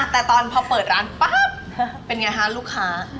แต่ตอนเมื่อเปิดร้านเป็นยังไงคะลูกค้า